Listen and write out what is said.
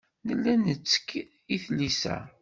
Nella nettekk i tlisa.